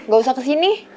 gak usah kesini